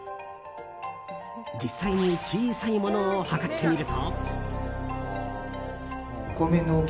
実際に小さいものを測ってみると。